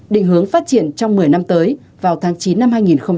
định hướng phát triển trong một mươi năm tới vào tháng chín năm hai nghìn hai mươi